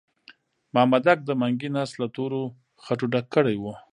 مامدک د منګي نس له تورو خټو ډک کړی وو.